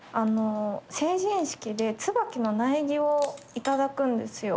成人式でつばきの苗木を頂くんですよ。